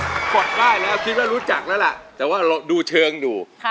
กดได้แล้วคิดว่ารู้จักแล้วล่ะแต่ว่าเราดูเชิงอยู่